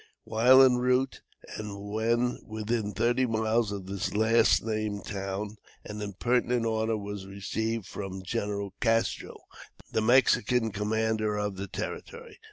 While en route, and when within thirty miles of this last named town, an impertinent order was received from Gen. Castro, the Mexican commander of the territory.